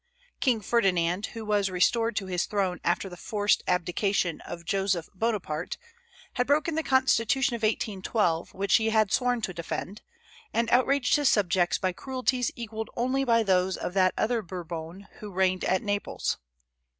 King Ferdinand, who was restored to his throne after the forced abdication of Joseph Bonaparte, had broken the Constitution of 1812, which he had sworn to defend, and outraged his subjects by cruelties equalled only by those of that other Bourbon who reigned at Naples.